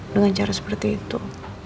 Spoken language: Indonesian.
dengan cara seperti itu